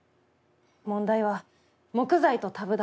問題は木材とＴＡＢだ。